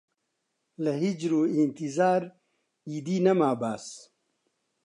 لە هیجر و ئینتیزار ئیدی نەما باس